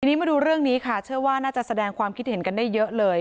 ทีนี้มาดูเรื่องนี้ค่ะเชื่อว่าน่าจะแสดงความคิดเห็นกันได้เยอะเลย